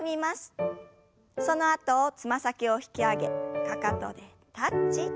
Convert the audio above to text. そのあとつま先を引き上げかかとでタッチ。